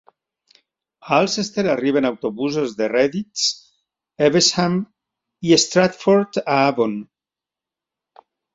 A Alcester arriben autobusos de Redditch, Evesham i Stratford a Avon.